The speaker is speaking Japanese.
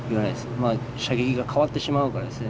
まあ射撃が変わってしまうからですね。